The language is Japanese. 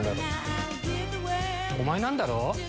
お前なんだろ？